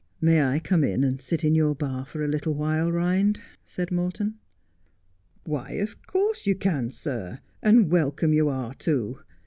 ' May I come in, and sit in your bar for a little while, Ehind V said Morton. ' Why, of course you can, sir ; and welcome you are, too.